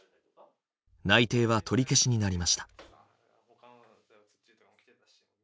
内定は取り消しになりました。